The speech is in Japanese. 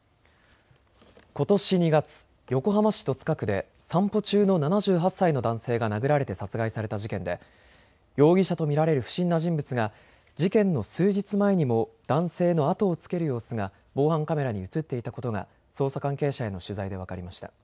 ことし２月、横浜市戸塚区で散歩中の７８歳の男性が殴られて殺害された事件で容疑者と見られる不審な人物が事件の数日前にも男性の後をつける様子が防犯カメラに写っていたことが捜査関係者への取材で分かりました。